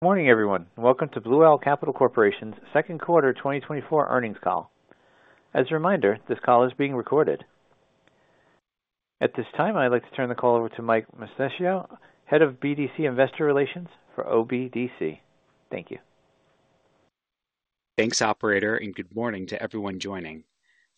Good morning, everyone. Welcome to Blue Owl Capital Corporation's second quarter 2024 earnings call. As a reminder, this call is being recorded. At this time, I'd like to turn the call over to Mike Mosticchio, Head of BDC Investor Relations for OBDC. Thank you. Thanks, Operator, and good morning to everyone joining.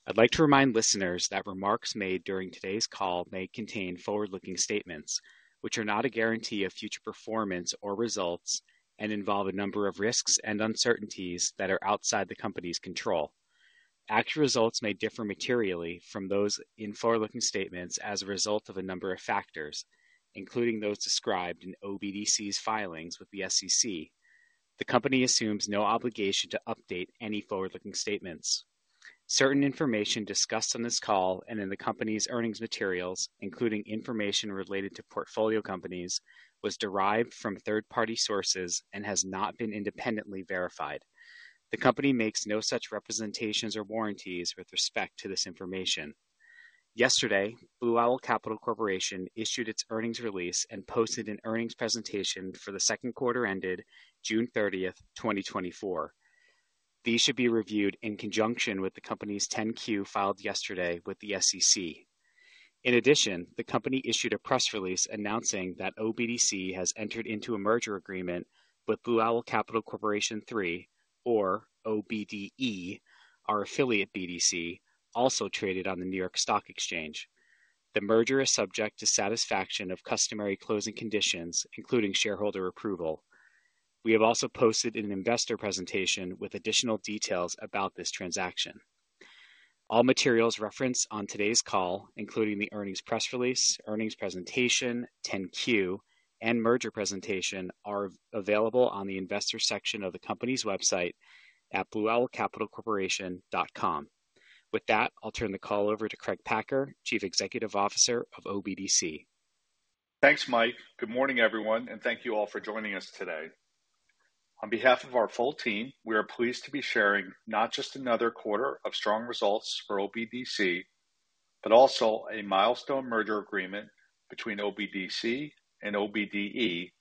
I'd like to remind listeners that remarks made during today's call may contain forward-looking statements, which are not a guarantee of future performance or results and involve a number of risks and uncertainties that are outside the company's control. Actual results may differ materially from those in forward-looking statements as a result of a number of factors, including those described in OBDC's filings with the SEC. The company assumes no obligation to update any forward-looking statements. Certain information discussed on this call and in the company's earnings materials, including information related to portfolio companies, was derived from third-party sources and has not been independently verified. The company makes no such representations or warranties with respect to this information. Yesterday, Blue Owl Capital Corporation issued its earnings release and posted an earnings presentation for the second quarter ended June 30th, 2024. These should be reviewed in conjunction with the company's 10-Q filed yesterday with the SEC. In addition, the company issued a press release announcing that OBDC has entered into a merger agreement with Blue Owl Capital Corporation III, or OBDE, our affiliate BDC, also traded on the New York Stock Exchange. The merger is subject to satisfaction of customary closing conditions, including shareholder approval. We have also posted an investor presentation with additional details about this transaction. All materials referenced on today's call, including the earnings press release, earnings presentation, 10-Q, and merger presentation, are available on the investor section of the company's website at blueowlcapitalcorporation.com. With that, I'll turn the call over to Craig Packer, Chief Executive Officer of OBDC. Thanks, Mike. Good morning, everyone, and thank you all for joining us today. On behalf of our full team, we are pleased to be sharing not just another quarter of strong results for OBDC, but also a milestone merger agreement between OBDC and OBDE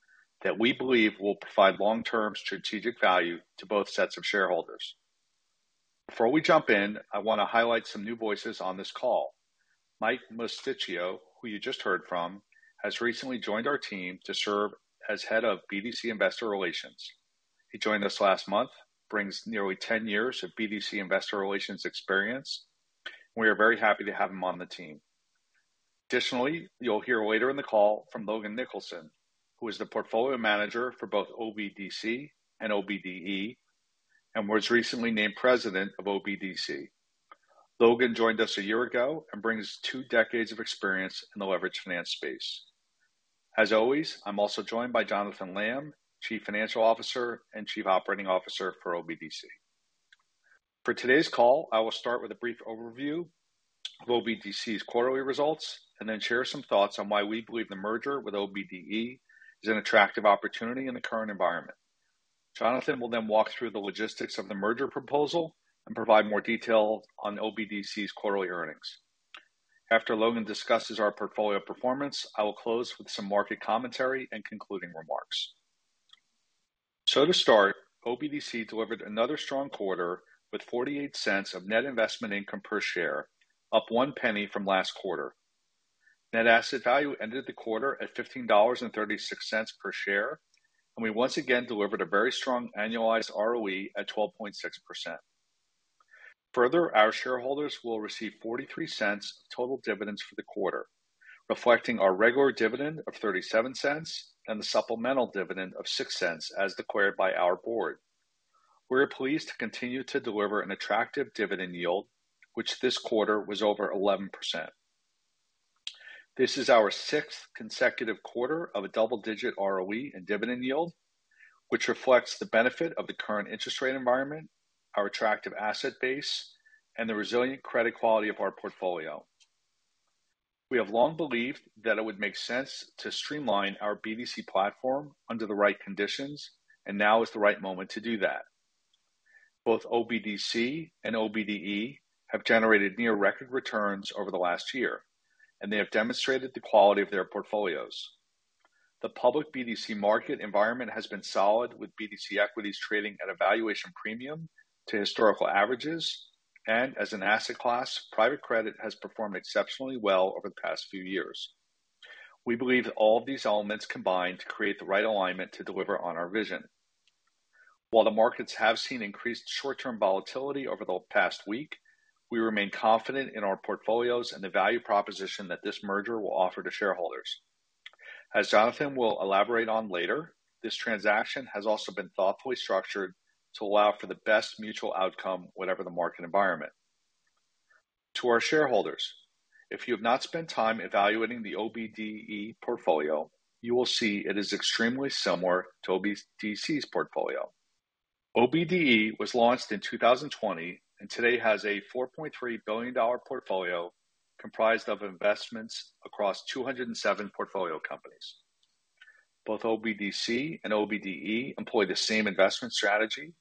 that we believe will provide long-term strategic value to both sets of shareholders. Before we jump in, I want to highlight some new voices on this call. Mike Mosticchio, who you just heard from, has recently joined our team to serve as Head of BDC Investor Relations. He joined us last month, brings nearly 10 years of BDC Investor Relations experience, and we are very happy to have him on the team. Additionally, you'll hear later in the call from Logan Nicholson, who is the Portfolio Manager for both OBDC and OBDE, and was recently named President of OBDC. Logan joined us a year ago and brings two decades of experience in the leveraged finance space. As always, I'm also joined by Jonathan Lamm, Chief Financial Officer and Chief Operating Officer for OBDC. For today's call, I will start with a brief overview of OBDC's quarterly results and then share some thoughts on why we believe the merger with OBDE is an attractive opportunity in the current environment. Jonathan will then walk through the logistics of the merger proposal and provide more detail on OBDC's quarterly earnings. After Logan discusses our portfolio performance, I will close with some market commentary and concluding remarks. So to start, OBDC delivered another strong quarter with $0.48 of net investment income per share, up $0.01 from last quarter. Net asset value ended the quarter at $15.36 per share, and we once again delivered a very strong annualized ROE at 12.6%. Further, our shareholders will receive $0.43 of total dividends for the quarter, reflecting our regular dividend of $0.37 and the supplemental dividend of $0.06 as declared by our board. We are pleased to continue to deliver an attractive dividend yield, which this quarter was over 11%. This is our sixth consecutive quarter of a double-digit ROE and dividend yield, which reflects the benefit of the current interest rate environment, our attractive asset base, and the resilient credit quality of our portfolio. We have long believed that it would make sense to streamline our BDC platform under the right conditions, and now is the right moment to do that. Both OBDC and OBDE have generated near-record returns over the last year, and they have demonstrated the quality of their portfolios. The public BDC market environment has been solid, with BDC equities trading at a valuation premium to historical averages, and as an asset class, private credit has performed exceptionally well over the past few years. We believe that all of these elements combine to create the right alignment to deliver on our vision. While the markets have seen increased short-term volatility over the past week, we remain confident in our portfolios and the value proposition that this merger will offer to shareholders. As Jonathan will elaborate on later, this transaction has also been thoughtfully structured to allow for the best mutual outcome, whatever the market environment. To our shareholders, if you have not spent time evaluating the OBDE portfolio, you will see it is extremely similar to OBDC's portfolio. OBDE was launched in 2020 and today has a $4.3 billion portfolio comprised of investments across 207 portfolio companies. Both OBDC and OBDE employ the same investment strategy,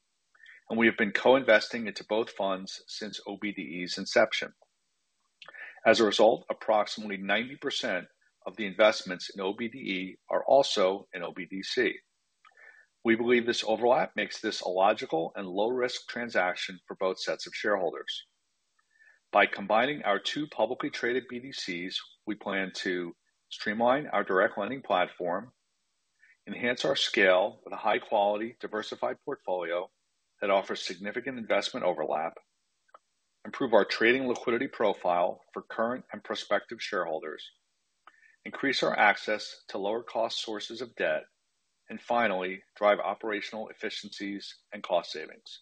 and we have been co-investing into both funds since OBDE's inception. As a result, approximately 90% of the investments in OBDE are also in OBDC. We believe this overlap makes this a logical and low-risk transaction for both sets of shareholders. By combining our two publicly traded BDCs, we plan to streamline our direct lending platform, enhance our scale with a high-quality, diversified portfolio that offers significant investment overlap, improve our trading liquidity profile for current and prospective shareholders, increase our access to lower-cost sources of debt, and finally, drive operational efficiencies and cost savings.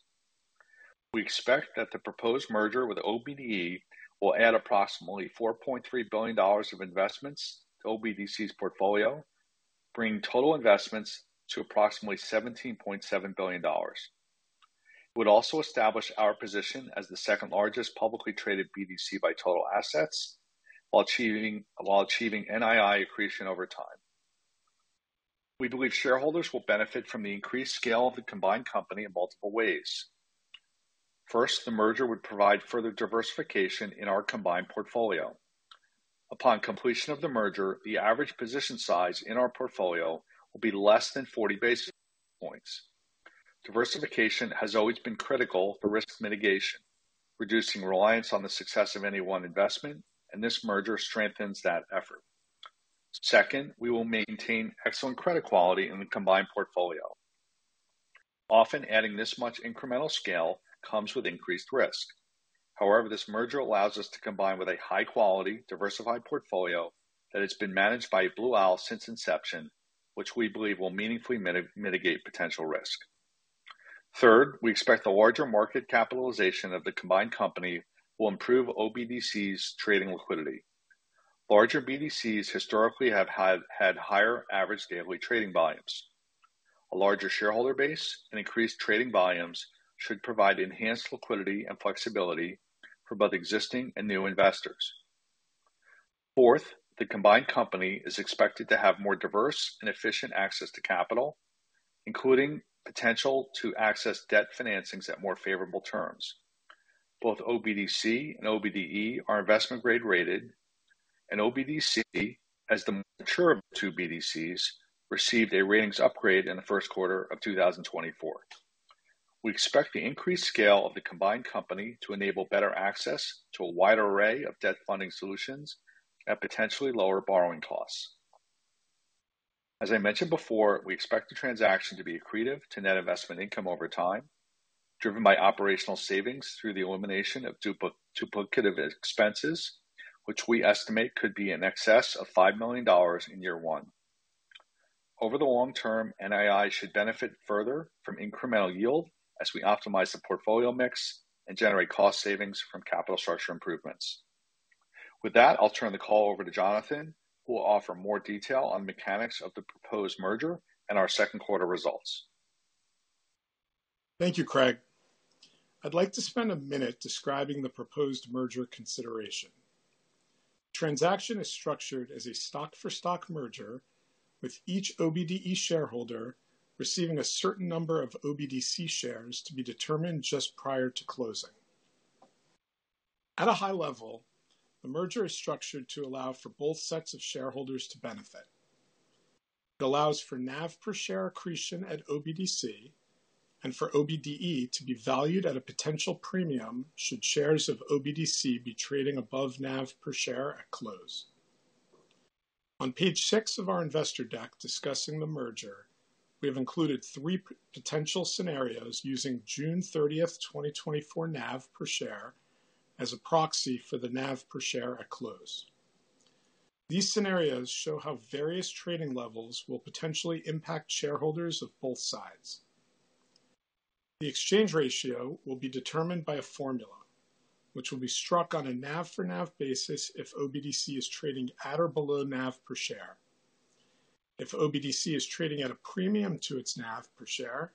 We expect that the proposed merger with OBDE will add approximately $4.3 billion of investments to OBDC's portfolio, bringing total investments to approximately $17.7 billion. It would also establish our position as the second-largest publicly traded BDC by total assets while achieving NII accretion over time. We believe shareholders will benefit from the increased scale of the combined company in multiple ways. First, the merger would provide further diversification in our combined portfolio. Upon completion of the merger, the average position size in our portfolio will be less than 40 basis points. Diversification has always been critical for risk mitigation, reducing reliance on the success of any one investment, and this merger strengthens that effort. Second, we will maintain excellent credit quality in the combined portfolio. Often, adding this much incremental scale comes with increased risk. However, this merger allows us to combine with a high-quality, diversified portfolio that has been managed by Blue Owl since inception, which we believe will meaningfully mitigate potential risk. Third, we expect the larger market capitalization of the combined company will improve OBDC's trading liquidity. Larger BDCs historically have had higher average daily trading volumes. A larger shareholder base and increased trading volumes should provide enhanced liquidity and flexibility for both existing and new investors. Fourth, the combined company is expected to have more diverse and efficient access to capital, including potential to access debt financings at more favorable terms. Both OBDC and OBDE are investment-grade rated, and OBDC, as the mature of the two BDCs, received a ratings upgrade in the first quarter of 2024. We expect the increased scale of the combined company to enable better access to a wider array of debt funding solutions at potentially lower borrowing costs. As I mentioned before, we expect the transaction to be accretive to net investment income over time, driven by operational savings through the elimination of duplicative expenses, which we estimate could be in excess of $5 million in year one. Over the long term, NII should benefit further from incremental yield as we optimize the portfolio mix and generate cost savings from capital structure improvements. With that, I'll turn the call over to Jonathan, who will offer more details on the mechanics of the proposed merger and our second-quarter results. Thank you, Craig. I'd like to spend a minute describing the proposed merger consideration. The transaction is structured as a stock-for-stock merger, with each OBDE shareholder receiving a certain number of OBDC shares to be determined just prior to closing. At a high level, the merger is structured to allow for both sets of shareholders to benefit. It allows for NAV per share accretion at OBDC and for OBDE to be valued at a potential premium should shares of OBDC be trading above NAV per share at close. On page 6 of our investor deck discussing the merger, we have included three potential scenarios using June 30th, 2024 NAV per share as a proxy for the NAV per share at close. These scenarios show how various trading levels will potentially impact shareholders of both sides. The exchange ratio will be determined by a formula, which will be struck on a NAV for NAV basis if OBDC is trading at or below NAV per share. If OBDC is trading at a premium to its NAV per share,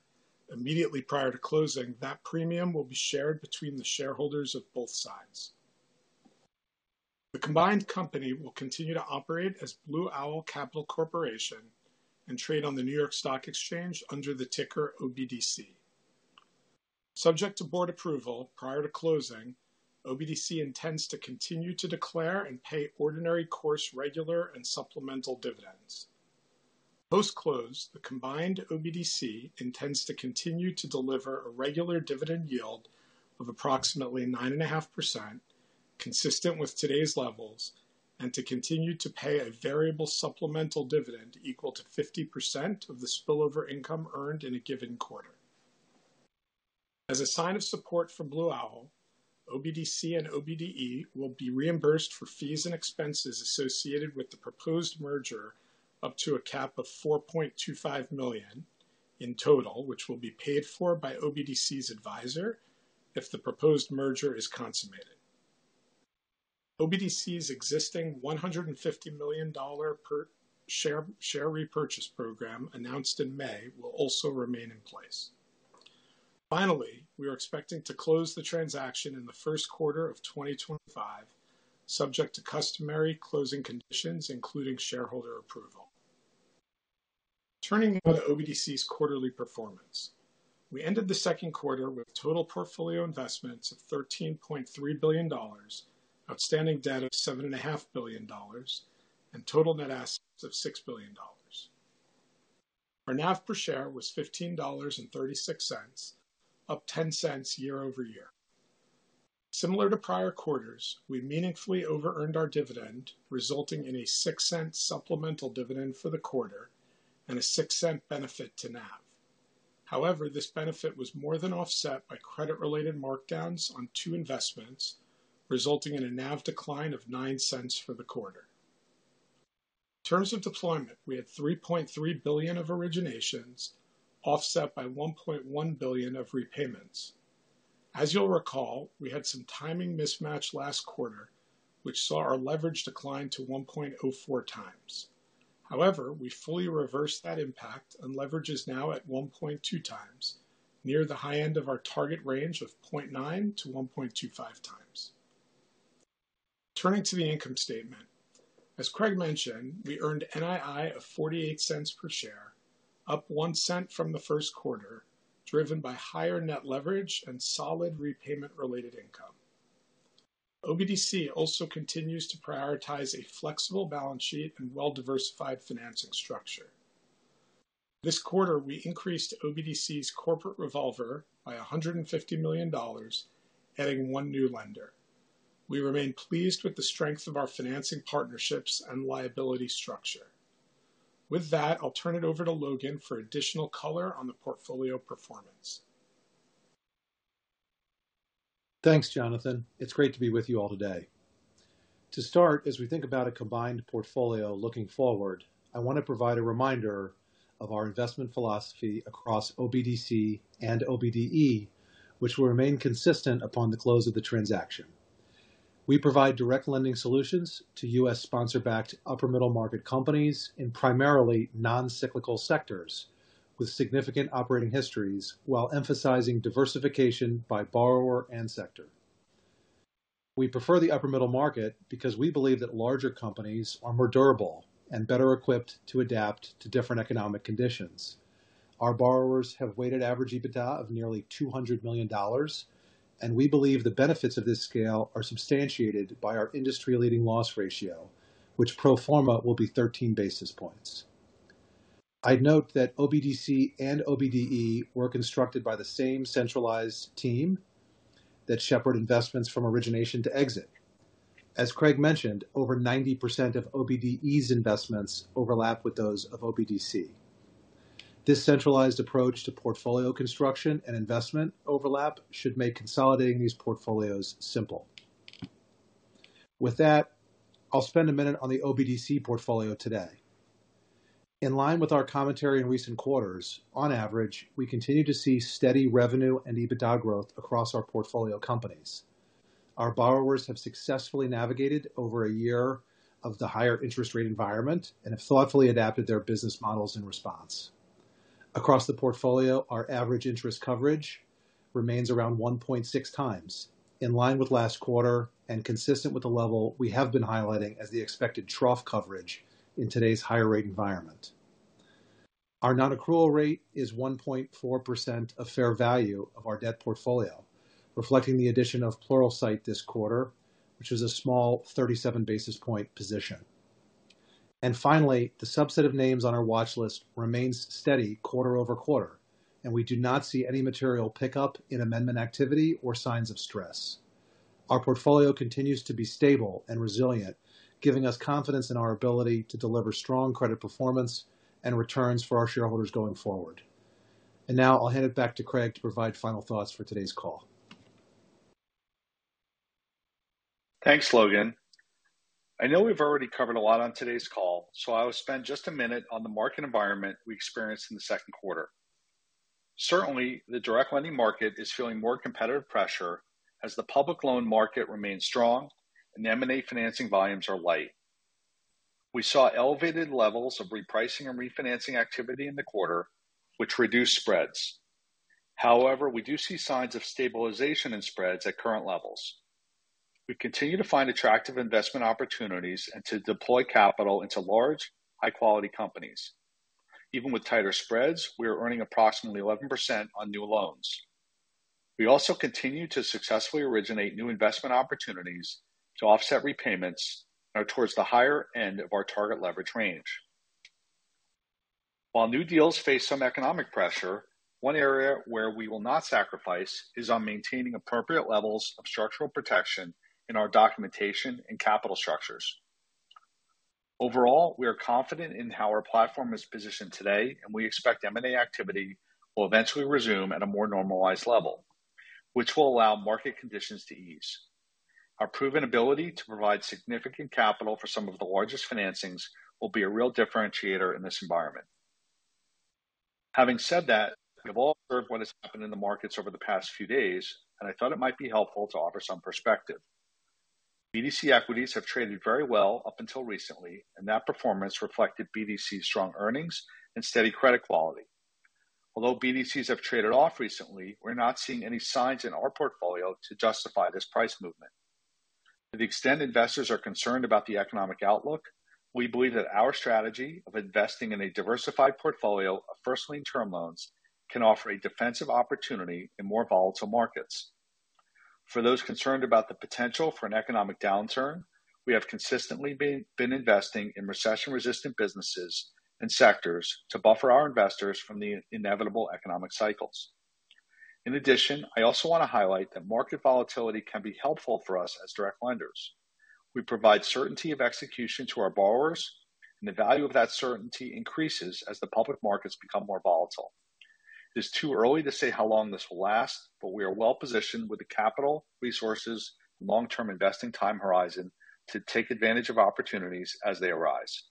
immediately prior to closing, that premium will be shared between the shareholders of both sides. The combined company will continue to operate as Blue Owl Capital Corporation and trade on the New York Stock Exchange under the ticker OBDC. Subject to board approval prior to closing, OBDC intends to continue to declare and pay ordinary course, regular, and supplemental dividends. Post-close, the combined OBDC intends to continue to deliver a regular dividend yield of approximately 9.5%, consistent with today's levels, and to continue to pay a variable supplemental dividend equal to 50% of the spillover income earned in a given quarter. As a sign of support for Blue Owl, OBDC and OBDE will be reimbursed for fees and expenses associated with the proposed merger up to a cap of $4.25 million in total, which will be paid for by OBDC's advisor if the proposed merger is consummated. OBDC's existing $150 million per share repurchase program announced in May will also remain in place. Finally, we are expecting to close the transaction in the first quarter of 2025, subject to customary closing conditions, including shareholder approval. Turning now to OBDC's quarterly performance. We ended the second quarter with total portfolio investments of $13.3 billion, outstanding debt of $7.5 billion, and total net assets of $6 billion. Our NAV per share was $15.36, up $0.10 year-over-year. Similar to prior quarters, we meaningfully over-earned our dividend, resulting in a $0.06 supplemental dividend for the quarter and a $0.06 benefit to NAV. However, this benefit was more than offset by credit-related markdowns on two investments, resulting in a NAV decline of $0.09 for the quarter. In terms of deployment, we had $3.3 billion of originations, offset by $1.1 billion of repayments. As you'll recall, we had some timing mismatch last quarter, which saw our leverage decline to 1.04x. However, we fully reversed that impact and leverage is now at 1.2x, near the high end of our target range of 0.9x-1.25x. Turning to the income statement, as Craig mentioned, we earned NII of $0.48 per share, up $0.01 from the first quarter, driven by higher net leverage and solid repayment-related income. OBDC also continues to prioritize a flexible balance sheet and well-diversified financing structure. This quarter, we increased OBDC's corporate revolver by $150 million, adding one new lender. We remain pleased with the strength of our financing partnerships and liability structure. With that, I'll turn it over to Logan for additional color on the portfolio performance. Thanks, Jonathan. It's great to be with you all today. To start, as we think about a combined portfolio looking forward, I want to provide a reminder of our investment philosophy across OBDC and OBDE, which will remain consistent upon the close of the transaction. We provide direct lending solutions to U.S. sponsor-backed upper-middle market companies in primarily non-cyclical sectors with significant operating histories, while emphasizing diversification by borrower and sector. We prefer the upper-middle market because we believe that larger companies are more durable and better equipped to adapt to different economic conditions. Our borrowers have weighted average EBITDA of nearly $200 million, and we believe the benefits of this scale are substantiated by our industry-leading loss ratio, which pro forma will be 13 basis points. I'd note that OBDC and OBDE were constructed by the same centralized team that shepherd investments from origination to exit. As Craig mentioned, over 90% of OBDE's investments overlap with those of OBDC. This centralized approach to portfolio construction and investment overlap should make consolidating these portfolios simple. With that, I'll spend a minute on the OBDC portfolio today. In line with our commentary in recent quarters, on average, we continue to see steady revenue and EBITDA growth across our portfolio companies. Our borrowers have successfully navigated over a year of the higher interest rate environment and have thoughtfully adapted their business models in response. Across the portfolio, our average interest coverage remains around 1.6x, in line with last quarter and consistent with the level we have been highlighting as the expected trough coverage in today's higher-rate environment. Our non-accrual rate is 1.4% of fair value of our debt portfolio, reflecting the addition of Pluralsight this quarter, which is a small 37 basis point position. Finally, the subset of names on our watchlist remains steady quarter over quarter, and we do not see any material pickup in amendment activity or signs of stress. Our portfolio continues to be stable and resilient, giving us confidence in our ability to deliver strong credit performance and returns for our shareholders going forward. Now I'll hand it back to Craig to provide final thoughts for today's call. Thanks, Logan. I know we've already covered a lot on today's call, so I'll spend just a minute on the market environment we experienced in the second quarter. Certainly, the direct lending market is feeling more competitive pressure as the public loan market remains strong and M&A financing volumes are light. We saw elevated levels of repricing and refinancing activity in the quarter, which reduced spreads. However, we do see signs of stabilization in spreads at current levels. We continue to find attractive investment opportunities and to deploy capital into large, high-quality companies. Even with tighter spreads, we are earning approximately 11% on new loans. We also continue to successfully originate new investment opportunities to offset repayments and are towards the higher end of our target leverage range. While new deals face some economic pressure, one area where we will not sacrifice is on maintaining appropriate levels of structural protection in our documentation and capital structures. Overall, we are confident in how our platform is positioned today, and we expect M&A activity will eventually resume at a more normalized level, which will allow market conditions to ease. Our proven ability to provide significant capital for some of the largest financings will be a real differentiator in this environment. Having said that, we have all observed what has happened in the markets over the past few days, and I thought it might be helpful to offer some perspective. BDC equities have traded very well up until recently, and that performance reflected BDC's strong earnings and steady credit quality. Although BDCs have traded off recently, we're not seeing any signs in our portfolio to justify this price movement. To the extent investors are concerned about the economic outlook, we believe that our strategy of investing in a diversified portfolio of first-lien term loans can offer a defensive opportunity in more volatile markets. For those concerned about the potential for an economic downturn, we have consistently been investing in recession-resistant businesses and sectors to buffer our investors from the inevitable economic cycles. In addition, I also want to highlight that market volatility can be helpful for us as direct lenders. We provide certainty of execution to our borrowers, and the value of that certainty increases as the public markets become more volatile. It is too early to say how long this will last, but we are well-positioned with the capital, resources, and long-term investing time horizon to take advantage of opportunities as they arise.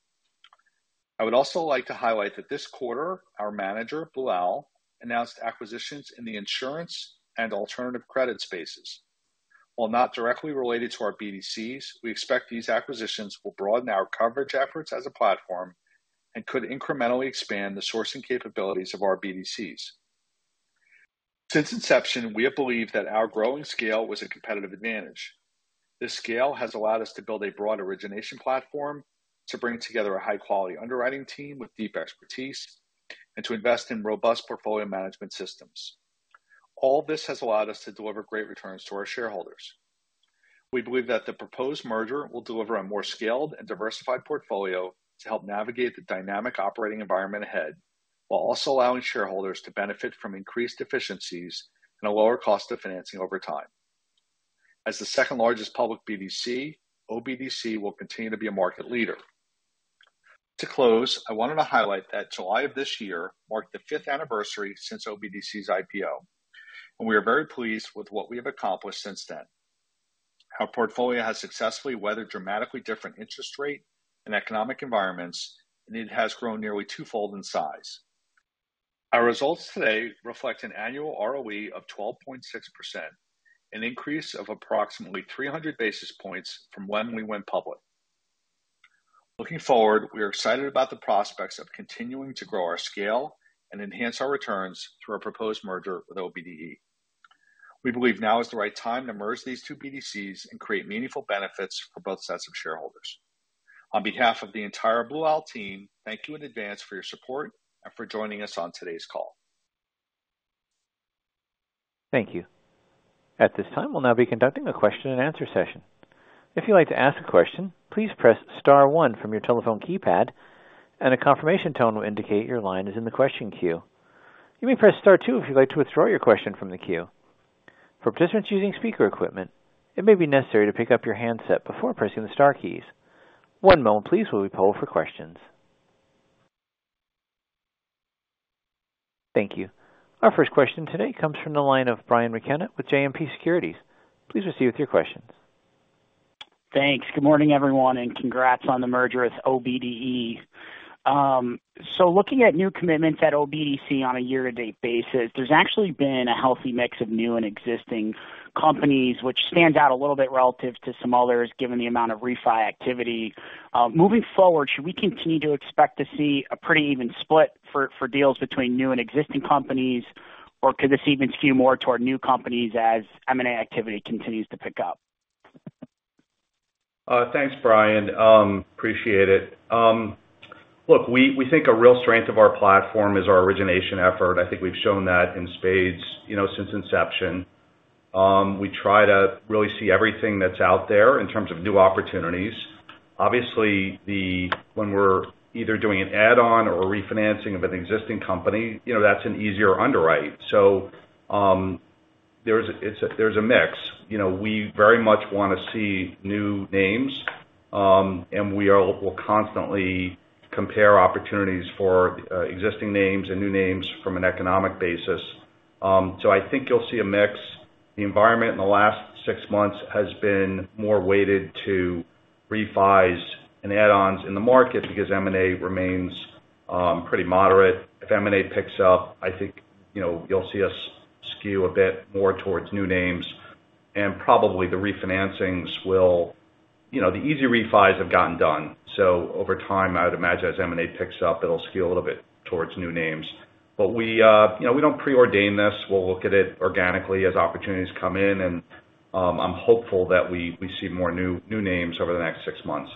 I would also like to highlight that this quarter, our manager, Blue Owl, announced acquisitions in the insurance and alternative credit spaces. While not directly related to our BDCs, we expect these acquisitions will broaden our coverage efforts as a platform and could incrementally expand the sourcing capabilities of our BDCs. Since inception, we have believed that our growing scale was a competitive advantage. This scale has allowed us to build a broad origination platform, to bring together a high-quality underwriting team with deep expertise, and to invest in robust portfolio management systems. All this has allowed us to deliver great returns to our shareholders. We believe that the proposed merger will deliver a more scaled and diversified portfolio to help navigate the dynamic operating environment ahead, while also allowing shareholders to benefit from increased efficiencies and a lower cost of financing over time. As the second-largest public BDC, OBDC will continue to be a market leader. To close, I wanted to highlight that July of this year marked the fifth anniversary since OBDC's IPO, and we are very pleased with what we have accomplished since then. Our portfolio has successfully weathered dramatically different interest rate and economic environments, and it has grown nearly twofold in size. Our results today reflect an annual ROE of 12.6%, an increase of approximately 300 basis points from when we went public. Looking forward, we are excited about the prospects of continuing to grow our scale and enhance our returns through our proposed merger with OBDE. We believe now is the right time to merge these two BDCs and create meaningful benefits for both sets of shareholders. On behalf of the entire Blue Owl team, thank you in advance for your support and for joining us on today's call. Thank you. At this time, we'll now be conducting a question-and-answer session. If you'd like to ask a question, please press Star 1 from your telephone keypad, and a confirmation tone will indicate your line is in the question queue. You may press Star 2 if you'd like to withdraw your question from the queue. For participants using speaker equipment, it may be necessary to pick up your handset before pressing the Star keys. One moment, please, while we poll for questions. Thank you. Our first question today comes from the line of Brian McKenna with JMP Securities. Please proceed with your questions. Thanks. Good morning, everyone, and congrats on the merger with OBDE. So looking at new commitments at OBDC on a year-to-date basis, there's actually been a healthy mix of new and existing companies, which stands out a little bit relative to some others given the amount of refi activity. Moving forward, should we continue to expect to see a pretty even split for deals between new and existing companies, or could this even skew more toward new companies as M&A activity continues to pick up? Thanks, Brian. Appreciate it. Look, we think a real strength of our platform is our origination effort. I think we've shown that in spades since inception. We try to really see everything that's out there in terms of new opportunities. Obviously, when we're either doing an add-on or refinancing of an existing company, that's an easier underwrite. So there's a mix. We very much want to see new names, and we will constantly compare opportunities for existing names and new names from an economic basis. So I think you'll see a mix. The environment in the last six months has been more weighted to refis and add-ons in the market because M&A remains pretty moderate. If M&A picks up, I think you'll see us skew a bit more towards new names, and probably the refinancings will-the easy refis have gotten done. Over time, I would imagine as M&A picks up, it'll skew a little bit towards new names. But we don't preordain this. We'll look at it organically as opportunities come in, and I'm hopeful that we see more new names over the next six months.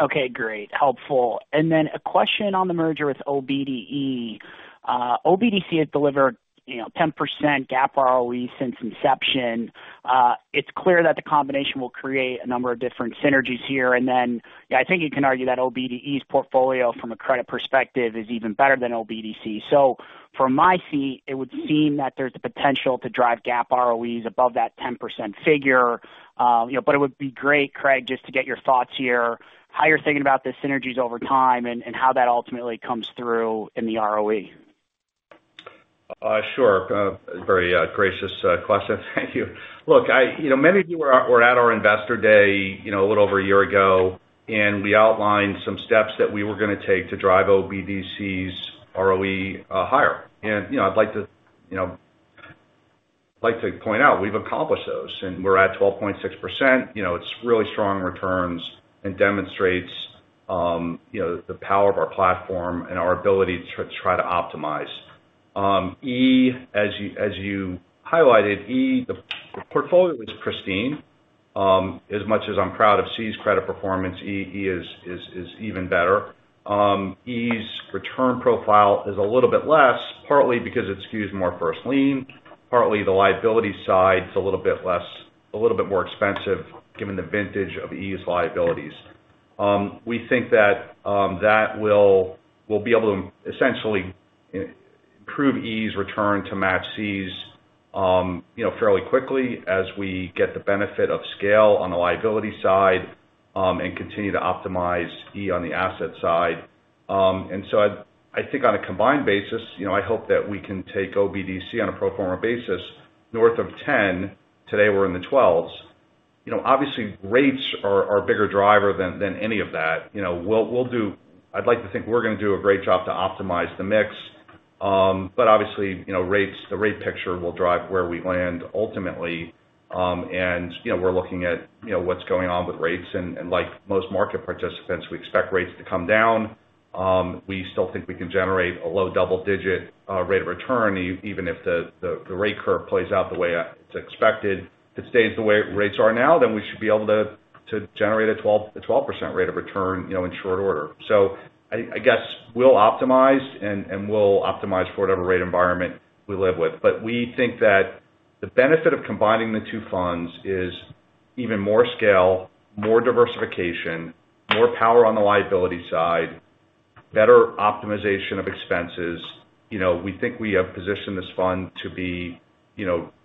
Okay. Great. Helpful. Then a question on the merger with OBDE. OBDC has delivered 10% GAAP ROE since inception. It's clear that the combination will create a number of different synergies here. I think you can argue that OBDE's portfolio from a credit perspective is even better than OBDC. So from my seat, it would seem that there's the potential to drive GAAP ROEs above that 10% figure. But it would be great, Craig, just to get your thoughts here, how you're thinking about the synergies over time and how that ultimately comes through in the ROE. Sure. Very gracious question. Thank you. Look, many of you were at our investor day a little over a year ago, and we outlined some steps that we were going to take to drive OBDC's ROE higher. I'd like to point out we've accomplished those, and we're at 12.6%. It's really strong returns and demonstrates the power of our platform and our ability to try to optimize. E, as you highlighted, E, the portfolio is pristine. As much as I'm proud of C's credit performance, E is even better. E's return profile is a little bit less, partly because it skews more first-lien, partly the liability side is a little bit more expensive given the vintage of E's liabilities. We think that that will be able to essentially improve E's return to match C's fairly quickly as we get the benefit of scale on the liability side and continue to optimize E on the asset side. And so I think on a combined basis, I hope that we can take OBDC on a pro forma basis north of 10; today we're in the 12s. Obviously, rates are a bigger driver than any of that. I'd like to think we're going to do a great job to optimize the mix. But obviously, the rate picture will drive where we land ultimately. And we're looking at what's going on with rates. And like most market participants, we expect rates to come down. We still think we can generate a low double-digit rate of return even if the rate curve plays out the way it's expected. If it stays the way rates are now, then we should be able to generate a 12% rate of return in short order. So I guess we'll optimize, and we'll optimize for whatever rate environment we live with. But we think that the benefit of combining the two funds is even more scale, more diversification, more power on the liability side, better optimization of expenses. We think we have positioned this fund to be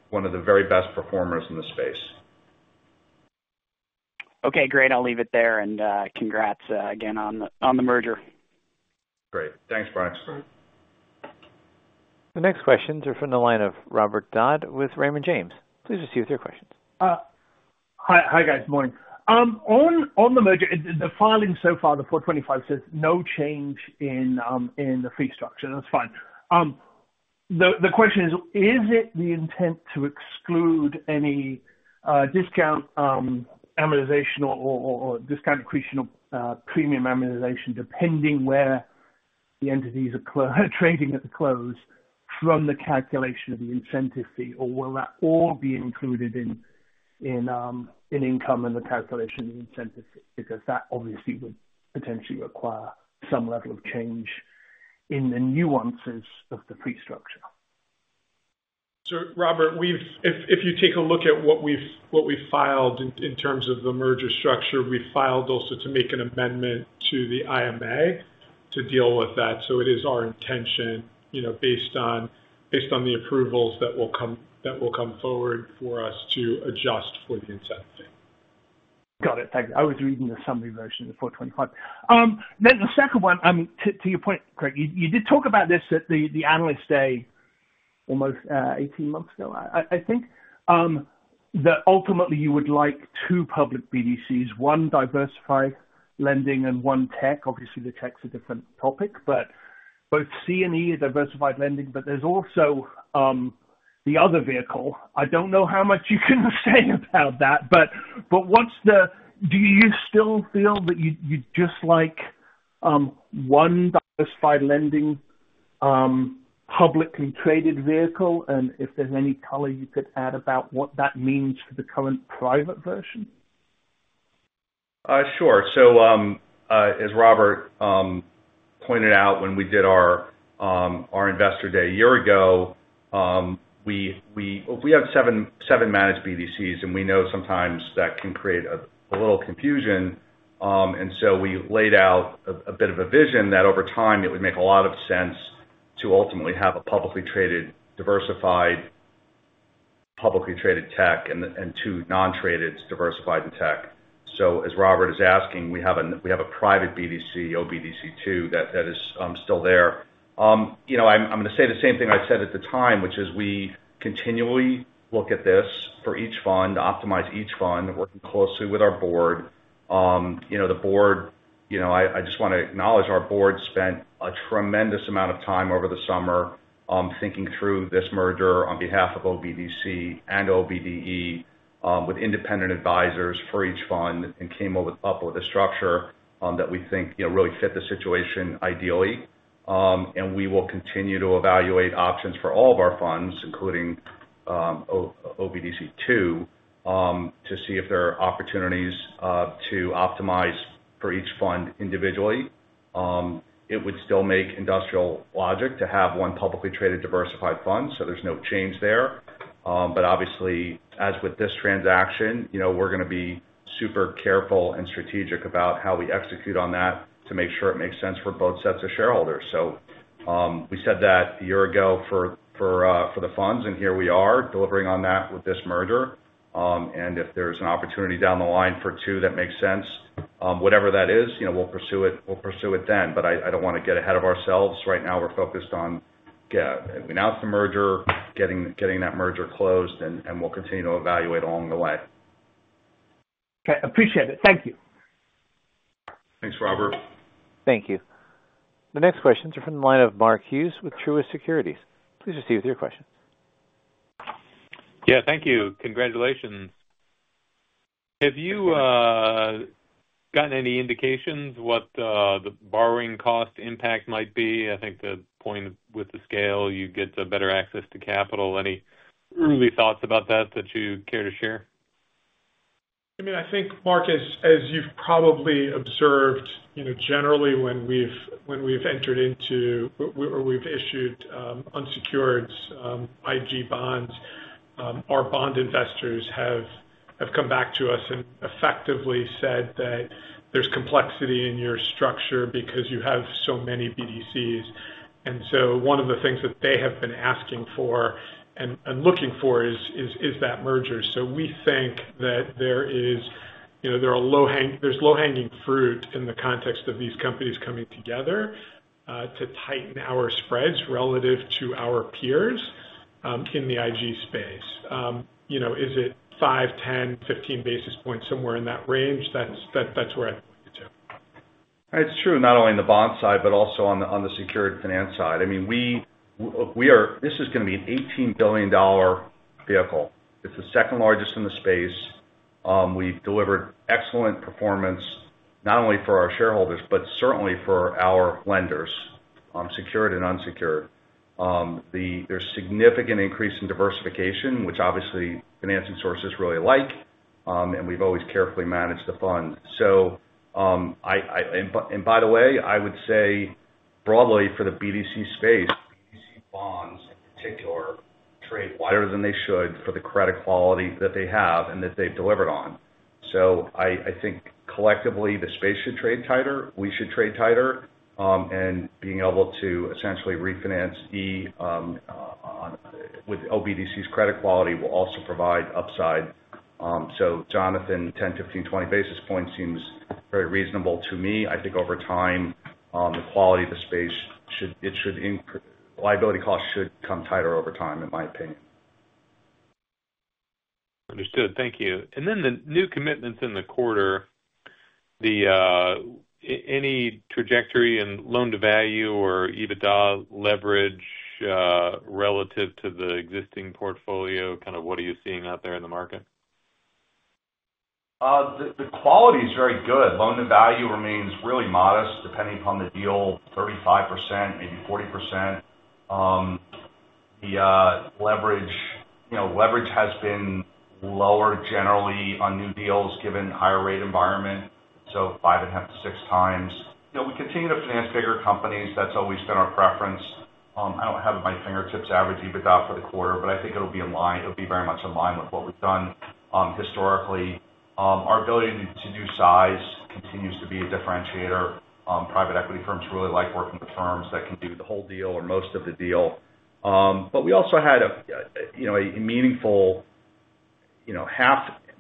one of the very best performers in the space. Okay. Great. I'll leave it there. Congrats again on the merger. Great. Thanks, Brian. The next questions are from the line of Robert Dodd with Raymond James. Please proceed with your questions. Hi, guys. Morning. On the merger, the filing so far, the 425, says no change in the fee structure. That's fine. The question is, is it the intent to exclude any discount amortization or discount accretion or premium amortization depending where the entities are trading at the close from the calculation of the incentive fee? Or will that all be included in income and the calculation of the incentive fee? Because that obviously would potentially require some level of change in the nuances of the fee structure. So, Robert, if you take a look at what we've filed in terms of the merger structure, we filed also to make an amendment to the IMA to deal with that. So, it is our intention based on the approvals that will come forward for us to adjust for the incentive fee. Got it. Thanks. I was reading the summary version of the 425. Then the second one, to your point, Craig, you did talk about this at the analyst day almost 18 months ago, I think. Ultimately, you would like two public BDCs, one diversified lending and one tech. Obviously, the tech's a different topic, but both C and E are diversified lending. But there's also the other vehicle. I don't know how much you can say about that. But do you still feel that you'd just like one diversified lending publicly traded vehicle? And if there's any color, you could add about what that means for the current private version? Sure. So as Robert pointed out when we did our investor day a year ago, we have seven managed BDCs, and we know sometimes that can create a little confusion. And so we laid out a bit of a vision that over time, it would make a lot of sense to ultimately have a publicly traded diversified publicly traded tech and two non-traded diversified in tech. So as Robert is asking, we have a private BDC, OBDC II, that is still there. I'm going to say the same thing I said at the time, which is we continually look at this for each fund, optimize each fund, working closely with our board. The board, I just want to acknowledge our board spent a tremendous amount of time over the summer thinking through this merger on behalf of OBDC and OBDE with independent advisors for each fund and came up with a structure that we think really fit the situation ideally. We will continue to evaluate options for all of our funds, including OBDC II, to see if there are opportunities to optimize for each fund individually. It would still make industrial logic to have one publicly traded diversified fund, so there's no change there. Obviously, as with this transaction, we're going to be super careful and strategic about how we execute on that to make sure it makes sense for both sets of shareholders. We said that a year ago for the funds, and here we are delivering on that with this merger. If there's an opportunity down the line for two that makes sense, whatever that is, we'll pursue it then. I don't want to get ahead of ourselves. Right now, we're focused on getting out the merger, getting that merger closed, and we'll continue to evaluate along the way. Okay. Appreciate it. Thank you. Thanks, Robert. Thank you. The next questions are from the line of Mark Hughes with Truist Securities. Please proceed with your questions. Yeah. Thank you. Congratulations. Have you gotten any indications what the borrowing cost impact might be? I think the point with the scale, you get better access to capital. Any early thoughts about that that you care to share? I mean, I think, Mark, as you've probably observed, generally, when we've entered into or we've issued unsecured IG bonds, our bond investors have come back to us and effectively said that there's complexity in your structure because you have so many BDCs. And so one of the things that they have been asking for and looking for is that merger. So we think that there is low-hanging fruit in the context of these companies coming together to tighten our spreads relative to our peers in the IG space. Is it 5, 10, 15 basis points, somewhere in that range? That's where I'd look at it. It's true, not only on the bond side, but also on the secured finance side. I mean, this is going to be an $18 billion vehicle. It's the second largest in the space. We've delivered excellent performance not only for our shareholders, but certainly for our lenders, secured and unsecured. There's significant increase in diversification, which obviously financing sources really like, and we've always carefully managed the fund. And by the way, I would say broadly for the BDC space, BDC bonds in particular trade wider than they should for the credit quality that they have and that they've delivered on. So I think collectively, the space should trade tighter. We should trade tighter. And being able to essentially refinance E with OBDC's credit quality will also provide upside. So Jonathan, 10, 15, 20 basis points seems very reasonable to me. I think over time, the quality of the space, liability costs should come tighter over time, in my opinion. Understood. Thank you. And then the new commitments in the quarter, any trajectory in loan-to-value or EBITDA leverage relative to the existing portfolio? Kind of what are you seeing out there in the market? The quality is very good. Loan-to-value remains really modest depending upon the deal, 35%, maybe 40%. The leverage has been lower generally on new deals given the higher rate environment, so 5.5x-6x. We continue to finance bigger companies. That's always been our preference. I don't have it at my fingertips to average EBITDA for the quarter, but I think it'll be in line. It'll be very much in line with what we've done historically. Our ability to do size continues to be a differentiator. Private equity firms really like working with firms that can do the whole deal or most of the deal. But we also had a meaningful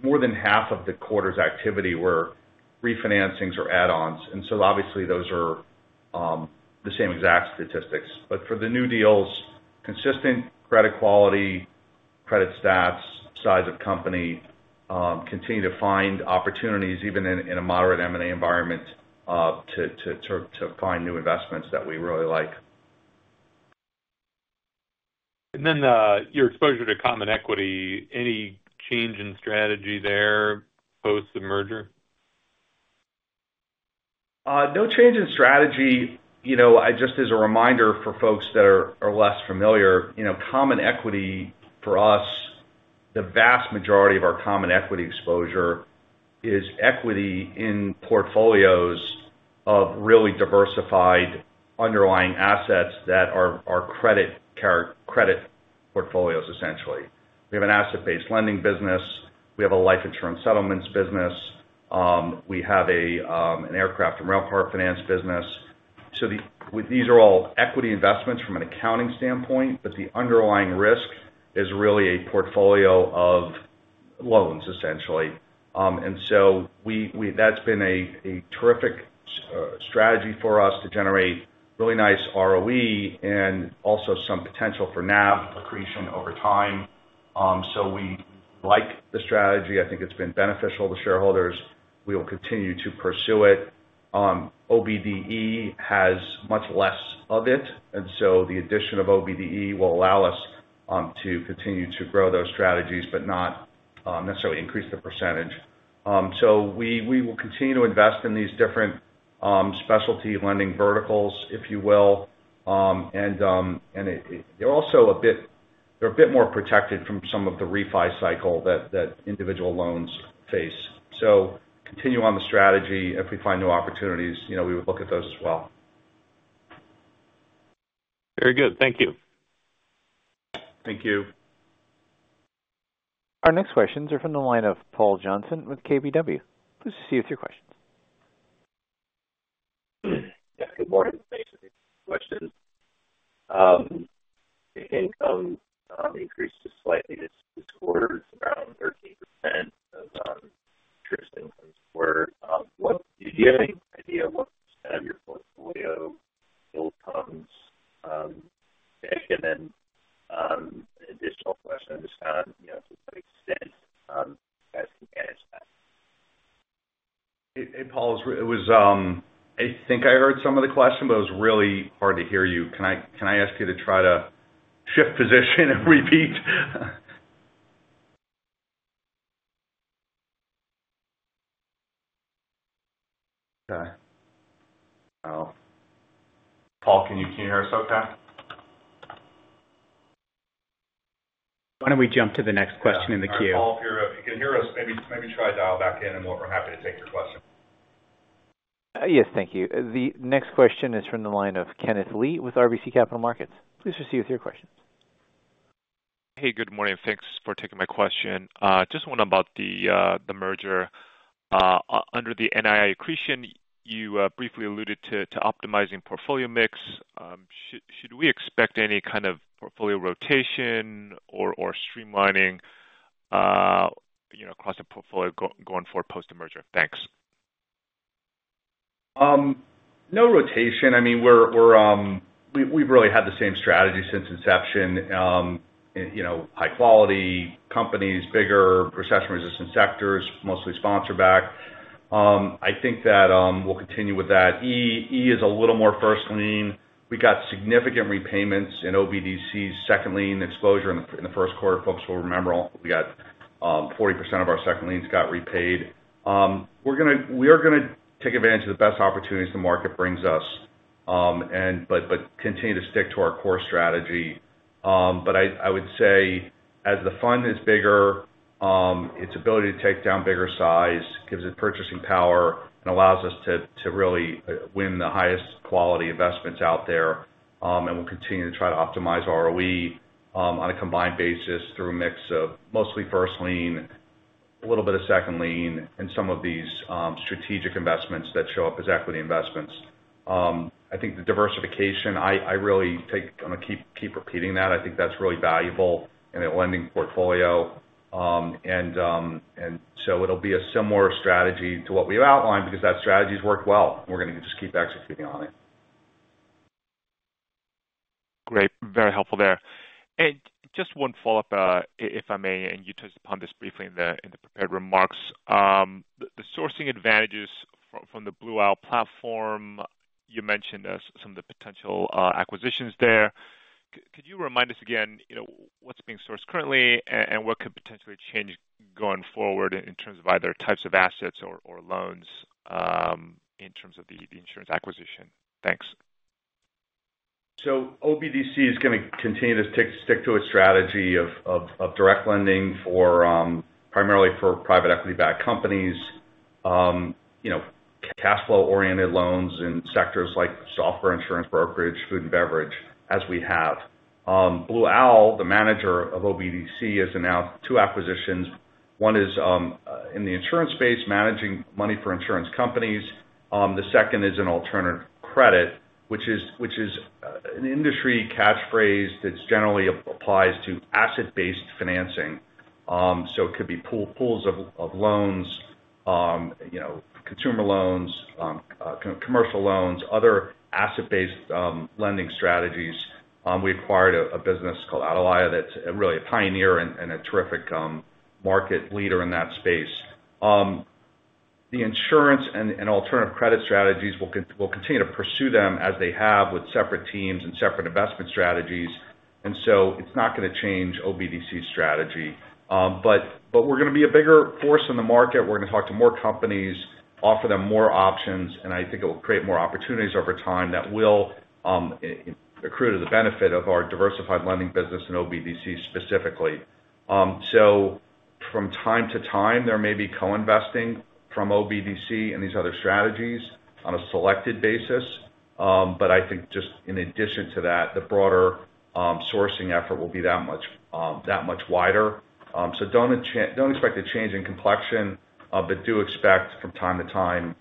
more than half of the quarter's activity were refinancings or add-ons. And so obviously, those are the same exact statistics. But for the new deals, consistent credit quality, credit stats, size of company, continue to find opportunities even in a moderate M&A environment to find new investments that we really like. Then your exposure to common equity, any change in strategy there post the merger? No change in strategy. Just as a reminder for folks that are less familiar, common equity for us, the vast majority of our common equity exposure is equity in portfolios of really diversified underlying assets that are credit portfolios, essentially. We have an asset-based lending business. We have a life insurance settlements business. We have an aircraft and railcar finance business. So these are all equity investments from an accounting standpoint, but the underlying risk is really a portfolio of loans, essentially. And so that's been a terrific strategy for us to generate really nice ROE and also some potential for NAV accretion over time. So we like the strategy. I think it's been beneficial to shareholders. We will continue to pursue it. OBDE has much less of it. And so the addition of OBDE will allow us to continue to grow those strategies but not necessarily increase the percentage. We will continue to invest in these different specialty lending verticals, if you will. They're also a bit more protected from some of the refi cycle that individual loans face. Continue on the strategy. If we find new opportunities, we would look at those as well. Very good. Thank you. Thank you. Our next questions are from the line of Paul Johnson with KBW. Please proceed with your questions. Good morning. Question. Income increased slightly this quarter. It's around 13% of interest income squared. Do you have any idea what percentage of your portfolio incomes? And then an additional question I just found is to what extent you guys can manage that? Hey, Paul, I think I heard some of the question, but it was really hard to hear you. Can I ask you to try to shift position and repeat? Okay. Wow. Paul, can you hear us okay? Why don't we jump to the next question in the queue? Paul, if you can hear us, maybe try to dial back in, and we're happy to take your question. Yes, thank you. The next question is from the line of Kenneth Lee with RBC Capital Markets. Please proceed with your questions. Hey, good morning. Thanks for taking my question. Just want to know about the merger. Under the NII accretion, you briefly alluded to optimizing portfolio mix. Should we expect any kind of portfolio rotation or streamlining across the portfolio going forward post the merger? Thanks. No rotation. I mean, we've really had the same strategy since inception. High-quality companies, bigger recession-resistant sectors, mostly sponsor-backed. I think that we'll continue with that. E is a little more first-lien. We got significant repayments in OBDC's second-lien exposure in the first quarter. Folks will remember, we got 40% of our second-liens got repaid. We are going to take advantage of the best opportunities the market brings us, but continue to stick to our core strategy. But I would say as the fund is bigger, its ability to take down bigger size gives it purchasing power and allows us to really win the highest quality investments out there. And we'll continue to try to optimize ROE on a combined basis through a mix of mostly first-lien, a little bit of second-lien, and some of these strategic investments that show up as equity investments. I think the diversification, I really think I'm going to keep repeating that. I think that's really valuable in a lending portfolio. And so it'll be a similar strategy to what we've outlined because that strategy has worked well. We're going to just keep executing on it. Great. Very helpful there. And just one follow-up, if I may, and you touched upon this briefly in the prepared remarks. The sourcing advantages from the Blue Owl platform, you mentioned some of the potential acquisitions there. Could you remind us again what's being sourced currently and what could potentially change going forward in terms of either types of assets or loans in terms of the insurance acquisition? Thanks. So OBDC is going to continue to stick to its strategy of direct lending primarily for private equity-backed companies, cash flow-oriented loans in sectors like software, insurance, brokerage, food and beverage, as we have. Blue Owl, the manager of OBDC, has announced two acquisitions. One is in the insurance space, managing money for insurance companies. The second is an alternative credit, which is an industry catchphrase that generally applies to asset-based financing. So it could be pools of loans, consumer loans, commercial loans, other asset-based lending strategies. We acquired a business called Atalaya that's really a pioneer and a terrific market leader in that space. The insurance and alternative credit strategies will continue to pursue them as they have with separate teams and separate investment strategies. And so it's not going to change OBDC's strategy. But we're going to be a bigger force in the market. We're going to talk to more companies, offer them more options, and I think it will create more opportunities over time that will accrue to the benefit of our diversified lending business and OBDC specifically. So from time to time, there may be co-investing from OBDC and these other strategies on a selected basis. But I think just in addition to that, the broader sourcing effort will be that much wider. So don't expect a change in complexion, but do expect from time to time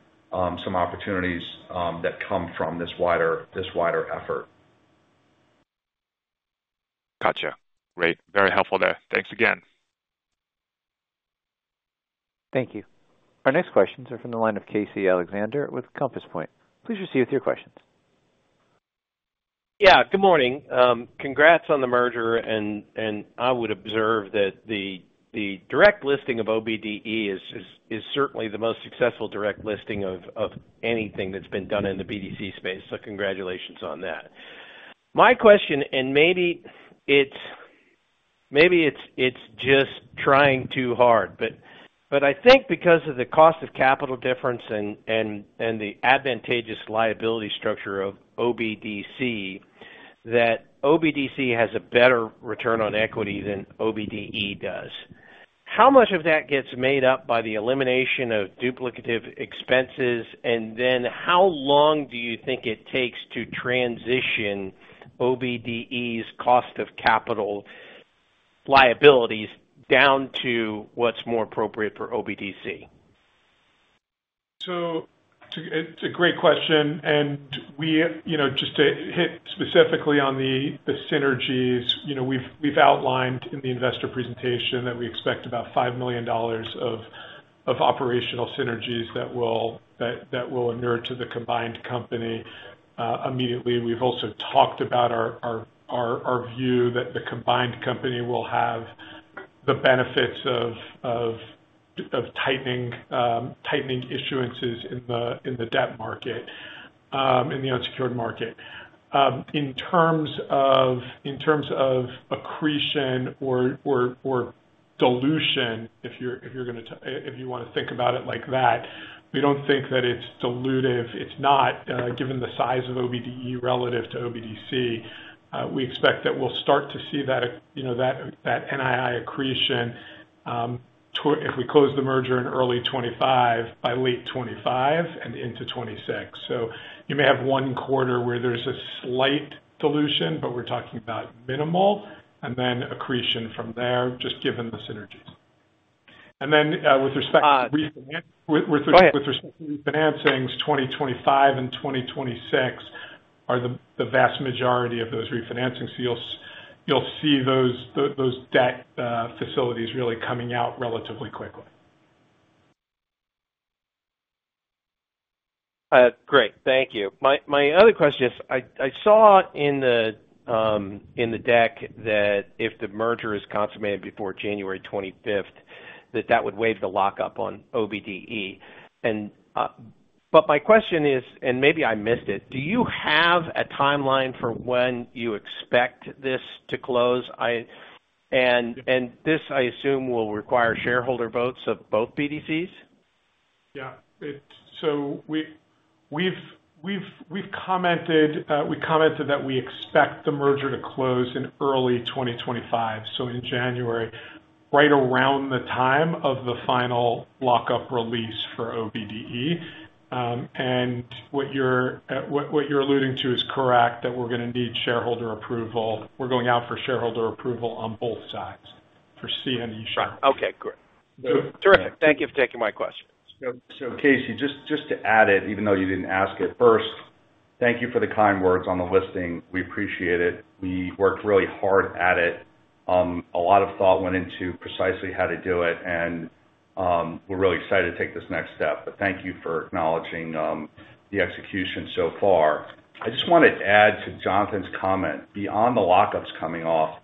some opportunities that come from this wider effort. Gotcha. Great. Very helpful there. Thanks again. Thank you. Our next questions are from the line of Casey Alexander with Compass Point. Please proceed with your questions. Yeah. Good morning. Congrats on the merger. I would observe that the direct listing of OBDE is certainly the most successful direct listing of anything that's been done in the BDC space. Congratulations on that. My question, and maybe it's just trying too hard, but I think because of the cost of capital difference and the advantageous liability structure of OBDC, that OBDC has a better return on equity than OBDE does. How much of that gets made up by the elimination of duplicative expenses? Then how long do you think it takes to transition OBDE's cost of capital liabilities down to what's more appropriate for OBDC? It's a great question. Just to hit specifically on the synergies, we've outlined in the investor presentation that we expect about $5 million of operational synergies that will inure to the combined company immediately. We've also talked about our view that the combined company will have the benefits of tightening issuances in the debt market and the unsecured market. In terms of accretion or dilution, if you want to think about it like that, we don't think that it's dilutive. It's not, given the size of OBDE relative to OBDC. We expect that we'll start to see that NII accretion if we close the merger in early 2025, by late 2025, and into 2026. You may have one quarter where there's a slight dilution, but we're talking about minimal, and then accretion from there, just given the synergies. Then with respect to refinancings, 2025 and 2026 are the vast majority of those refinancings. You'll see those debt facilities really coming out relatively quickly. Great. Thank you. My other question is, I saw in the deck that if the merger is consummated before January 25th, that that would waive the lockup on OBDE. But my question is, and maybe I missed it, do you have a timeline for when you expect this to close? And this, I assume, will require shareholder votes of both BDCs? Yeah. So we've commented that we expect the merger to close in early 2025, so in January, right around the time of the final lockup release for OBDE. And what you're alluding to is correct, that we're going to need shareholder approval. We're going out for shareholder approval on both sides for C and E shares. Okay. Great. Terrific. Thank you for taking my question. So Casey, just to add it, even though you didn't ask it first, thank you for the kind words on the listing. We appreciate it. We worked really hard at it. A lot of thought went into precisely how to do it. And we're really excited to take this next step. But thank you for acknowledging the execution so far. I just want to add to Jonathan's comment. Beyond the lockups coming off,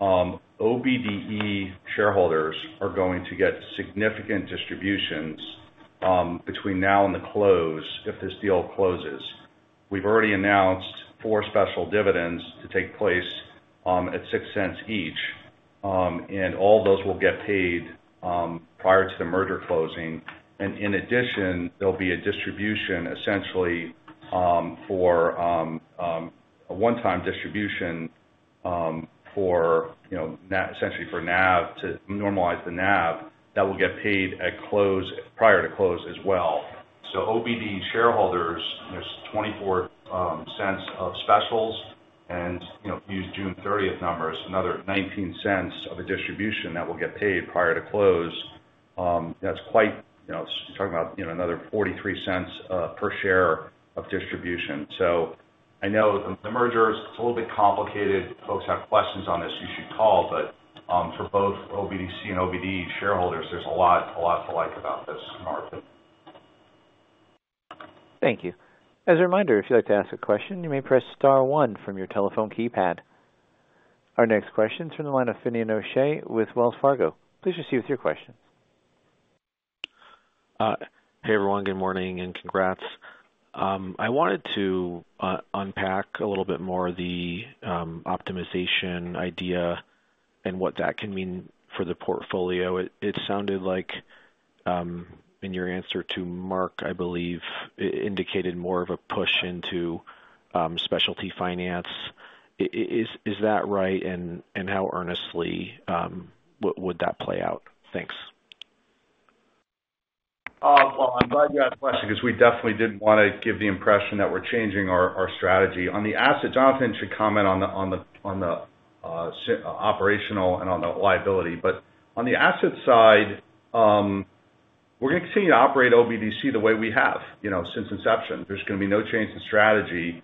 OBDE shareholders are going to get significant distributions between now and the close if this deal closes. We've already announced 4 special dividends to take place at $0.06 each. And all those will get paid prior to the merger closing. And in addition, there'll be a distribution, essentially, for a one-time distribution essentially for NAV to normalize the NAV that will get paid prior to close as well. So OBDE shareholders, there's $0.24 of specials and use June 30th numbers, another $0.19 of a distribution that will get paid prior to close. That's right, you're talking about another $0.43 per share of distribution. So I know the merger is a little bit complicated. Folks have questions on this. You should call. But for both OBDC and OBDE shareholders, there's a lot to like about this market. Thank you. As a reminder, if you'd like to ask a question, you may press star one from your telephone keypad. Our next question is from the line of Finian O'Shea with Wells Fargo. Please proceed with your questions. Hey, everyone. Good morning and congrats. I wanted to unpack a little bit more the optimization idea and what that can mean for the portfolio. It sounded like in your answer to Mark, I believe, it indicated more of a push into specialty finance. Is that right? And how earnestly would that play out? Thanks. Well, I'm glad you had a question because we definitely didn't want to give the impression that we're changing our strategy. On the asset, Jonathan should comment on the operational and on the liability. But on the asset side, we're going to continue to operate OBDC the way we have since inception. There's going to be no change in strategy,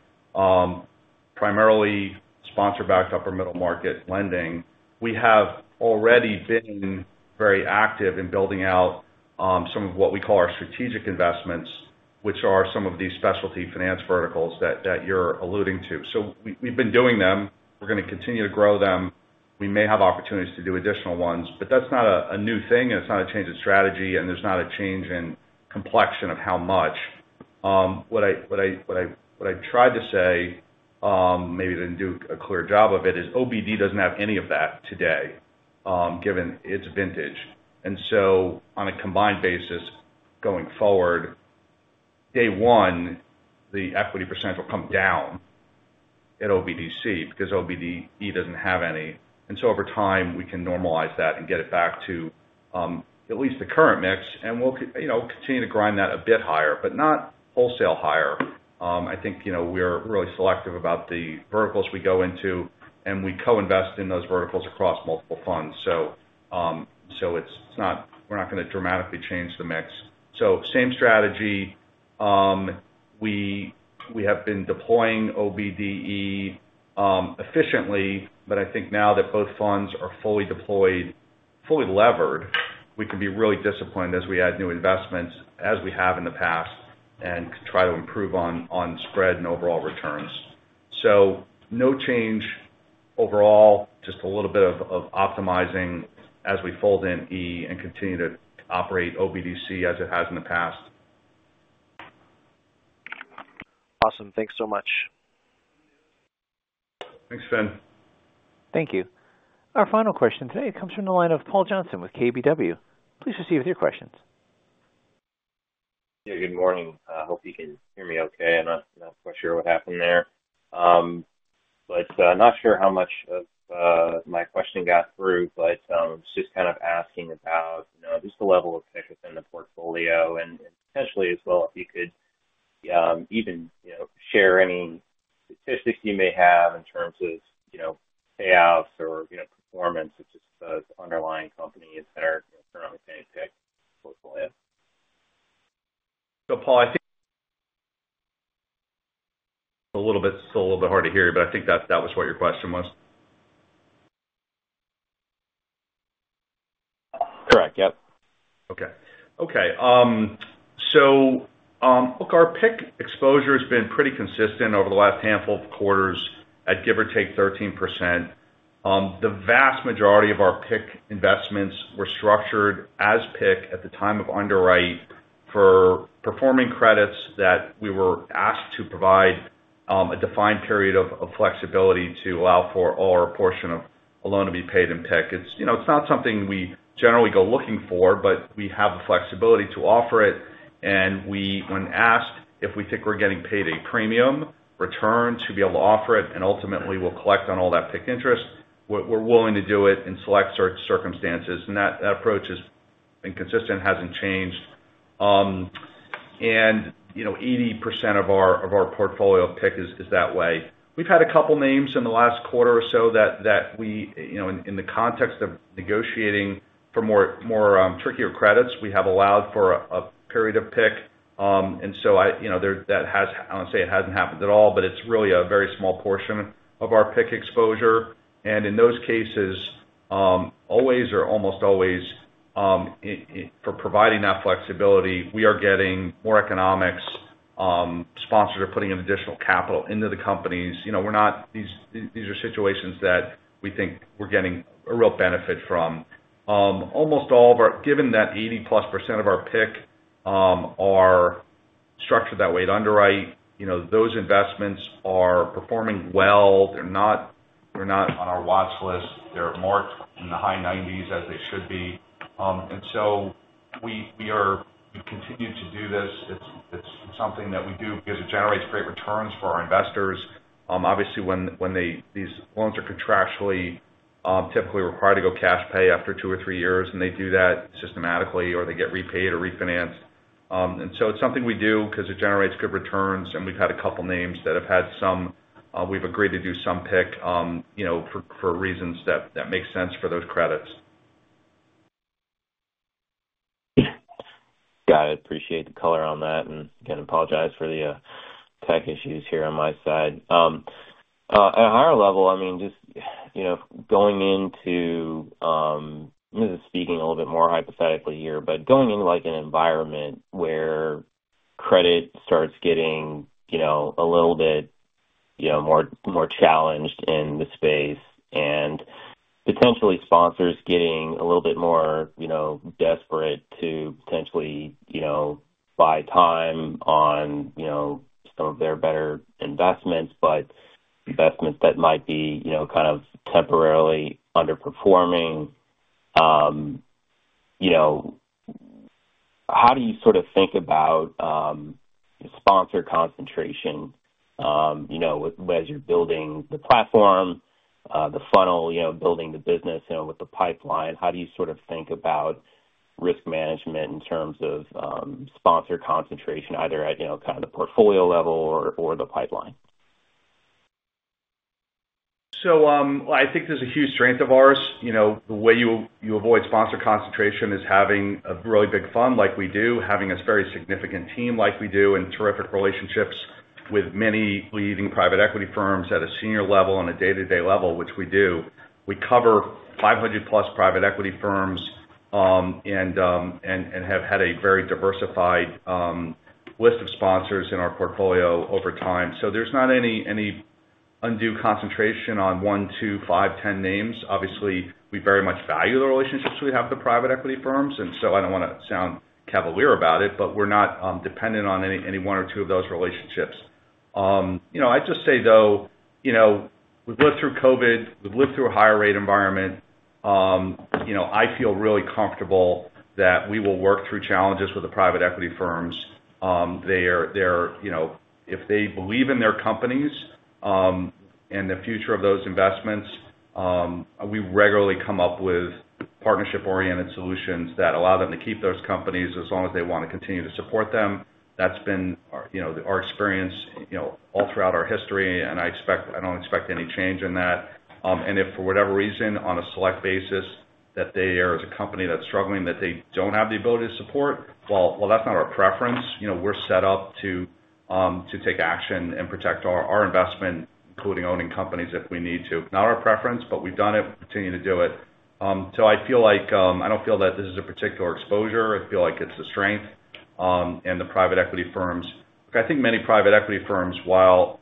primarily sponsor-backed upper middle market lending. We have already been very active in building out some of what we call our strategic investments, which are some of these specialty finance verticals that you're alluding to. So we've been doing them. We're going to continue to grow them. We may have opportunities to do additional ones. But that's not a new thing, and it's not a change in strategy, and there's not a change in complexion of how much. What I tried to say, maybe I didn't do a clear job of it, is OBD doesn't have any of that today, given its vintage. And so on a combined basis, going forward, day one, the equity percentage will come down at OBDC because OBDE doesn't have any. And so over time, we can normalize that and get it back to at least the current mix. And we'll continue to grind that a bit higher, but not wholesale higher. I think we're really selective about the verticals we go into, and we co-invest in those verticals across multiple funds. So we're not going to dramatically change the mix. So same strategy. We have been deploying OBDE efficiently, but I think now that both funds are fully levered, we can be really disciplined as we add new investments, as we have in the past, and try to improve on spread and overall returns. So no change overall, just a little bit of optimizing as we fold in E and continue to operate OBDC as it has in the past. Awesome. Thanks so much. Thanks, Finn. Thank you. Our final question today comes from the line of Paul Johnson with KBW. Please proceed with your questions. Yeah. Good morning. I hope you can hear me okay. I'm not quite sure what happened there. But not sure how much of my question got through, but just kind of asking about just the level of PIK within the portfolio and potentially as well if you could even share any statistics you may have in terms of payouts or performance of just those underlying companies that are currently being PIK in the portfolio. So, Paul, I think a little bit still a little bit hard to hear you, but I think that was what your question was. Correct. Yep. Okay. Okay. So look, our PIK exposure has been pretty consistent over the last handful of quarters at give or take 13%. The vast majority of our PIK investments were structured as PIK at the time of underwrite for performing credits that we were asked to provide a defined period of flexibility to allow for all or a portion of a loan to be paid in PIK. It's not something we generally go looking for, but we have the flexibility to offer it. And when asked if we think we're getting paid a premium return to be able to offer it and ultimately will collect on all that PIK interest, we're willing to do it in select circumstances. And that approach has been consistent, hasn't changed. And 80% of our portfolio PIK is that way. We've had a couple of names in the last quarter or so that we, in the context of negotiating for more trickier credits, we have allowed for a period of PIK. And so that has—I don't want to say it hasn't happened at all, but it's really a very small portion of our PIK exposure. And in those cases, always or almost always, for providing that flexibility, we are getting more economics sponsors or putting in additional capital into the companies. These are situations that we think we're getting a real benefit from. Almost all of our—given that 80%+ of our PIK are structured that way to underwrite—those investments are performing well. They're not on our watch list. They're marked in the high 90s as they should be. And so we continue to do this. It's something that we do because it generates great returns for our investors. Obviously, when these loans are contractually typically required to go cash pay after two or three years, and they do that systematically or they get repaid or refinanced. And so it's something we do because it generates good returns. And we've had a couple of names that have had some we've agreed to do some PIK for reasons that make sense for those credits. Got it. Appreciate the color on that. And again, apologize for the tech issues here on my side. At a higher level, I mean, just going into I'm just speaking a little bit more hypothetically here, but going into an environment where credit starts getting a little bit more challenged in the space and potentially sponsors getting a little bit more desperate to potentially buy time on some of their better investments, but investments that might be kind of temporarily underperforming, how do you sort of think about sponsor concentration as you're building the platform, the funnel, building the business with the pipeline? How do you sort of think about risk management in terms of sponsor concentration, either at kind of the portfolio level or the pipeline? So I think there's a huge strength of ours. The way you avoid sponsor concentration is having a really big fund like we do, having a very significant team like we do, and terrific relationships with many leading private equity firms at a senior level and a day-to-day level, which we do. We cover 500+ private equity firms and have had a very diversified list of sponsors in our portfolio over time. So there's not any undue concentration on 1, 2, 5, 10 names. Obviously, we very much value the relationships we have with the private equity firms. And so I don't want to sound cavalier about it, but we're not dependent on any one or two of those relationships. I'd just say, though, we've lived through COVID. We've lived through a higher-rate environment. I feel really comfortable that we will work through challenges with the private equity firms. If they believe in their companies and the future of those investments, we regularly come up with partnership-oriented solutions that allow them to keep those companies as long as they want to continue to support them. That's been our experience all throughout our history. And I don't expect any change in that. And if for whatever reason, on a select basis, that they are a company that's struggling, that they don't have the ability to support, well, that's not our preference. We're set up to take action and protect our investment, including owning companies if we need to. Not our preference, but we've done it. We continue to do it. So I feel like I don't feel that this is a particular exposure. I feel like it's the strength in the private equity firms. I think many private equity firms, while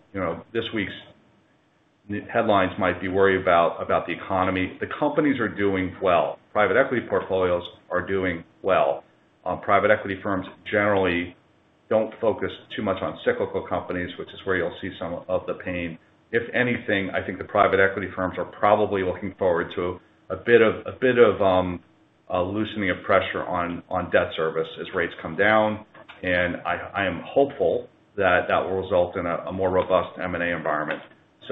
this week's headlines might be worried about the economy, the companies are doing well. Private equity portfolios are doing well. Private equity firms generally don't focus too much on cyclical companies, which is where you'll see some of the pain. If anything, I think the private equity firms are probably looking forward to a bit of loosening of pressure on debt service as rates come down. I am hopeful that that will result in a more robust M&A environment.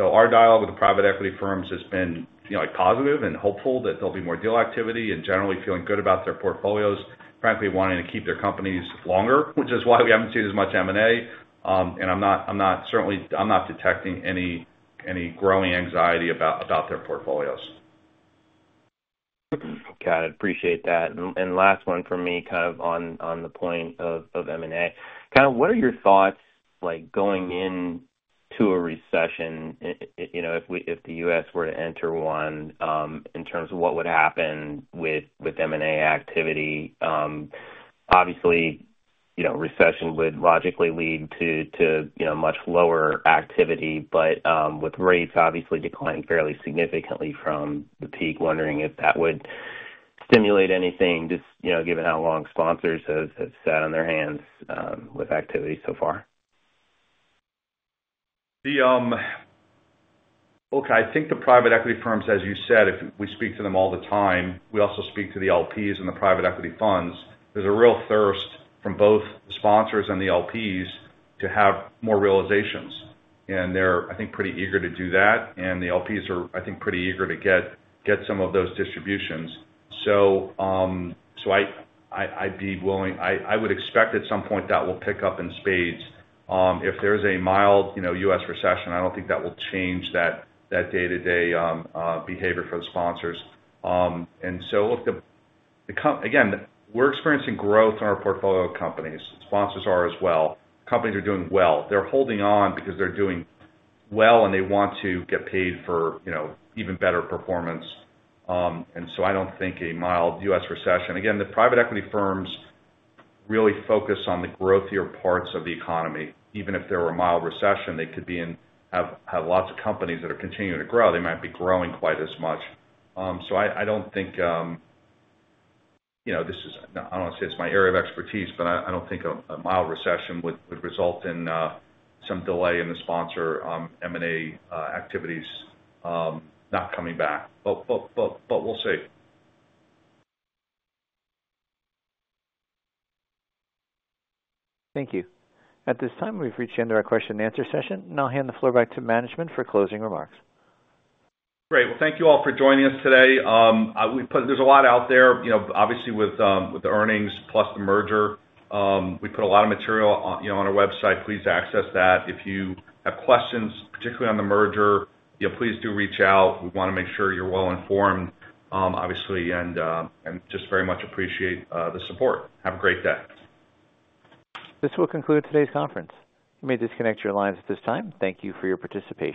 Our dialogue with the private equity firms has been positive and hopeful that there'll be more deal activity and generally feeling good about their portfolios, frankly wanting to keep their companies longer, which is why we haven't seen as much M&A. Certainly, I'm not detecting any growing anxiety about their portfolios. Got it. Appreciate that. And last one for me, kind of on the point of M&A. Kind of what are your thoughts going into a recession if the U.S. were to enter one in terms of what would happen with M&A activity? Obviously, recession would logically lead to much lower activity, but with rates obviously declining fairly significantly from the peak, wondering if that would stimulate anything, just given how long sponsors have sat on their hands with activity so far. Look, I think the private equity firms, as you said, we speak to them all the time. We also speak to the LPs and the private equity funds. There's a real thirst from both the sponsors and the LPs to have more realizations. And they're, I think, pretty eager to do that. And the LPs are, I think, pretty eager to get some of those distributions. So I'd be willing. I would expect at some point that will pick up in spades. If there's a mild U.S. recession, I don't think that will change the day-to-day behavior for the sponsors. And so look, again, we're experiencing growth in our portfolio companies. Sponsors are as well. Companies are doing well. They're holding on because they're doing well, and they want to get paid for even better performance. And so I don't think a mild U.S. recession—again, the private equity firms really focus on the growthier parts of the economy. Even if there were a mild recession, they could have lots of companies that are continuing to grow. They might be growing quite as much. So I don't think—I don't want to say it's my area of expertise, but I don't think a mild recession would result in some delay in the sponsor M&A activities not coming back. But we'll see. Thank you. At this time, we've reached the end of our question-and-answer session. I'll hand the floor back to management for closing remarks. Great. Well, thank you all for joining us today. There's a lot out there. Obviously, with the earnings plus the merger, we put a lot of material on our website. Please access that. If you have questions, particularly on the merger, please do reach out. We want to make sure you're well informed, obviously, and just very much appreciate the support. Have a great day. This will conclude today's conference. You may disconnect your lines at this time. Thank you for your participation.